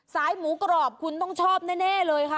หมูกรอบคุณต้องชอบแน่เลยค่ะ